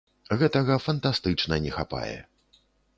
Гэтага фантастычна не хапае.